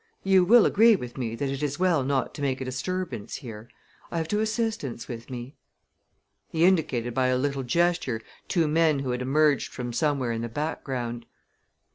You will agree with me that it is well not to make a disturbance here. I have two assistants with me." He indicated by a little gesture two men who had emerged from somewhere in the background.